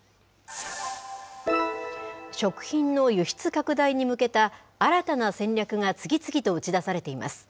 食品の輸出拡大に向けた新たな戦略が次々と打ち出されています。